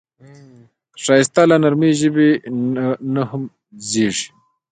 ښایست له نرمې ژبې نه هم زېږي